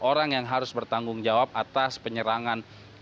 orang yang harus bertanggung jawab atas penyerangan